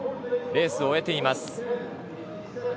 レースを終えています。